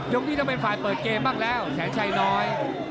นี้ต้องเป็นฝ่ายเปิดเกมบ้างแล้วแสนชัยน้อย